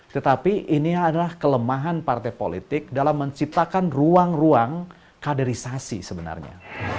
tetapi ini adalah kelemahan partai politik dalam menciptakan ruang ruang kaderisasi sebenarnya